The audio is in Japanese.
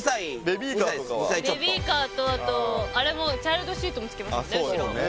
ベビーカーとあとチャイルドシートもつけますもんね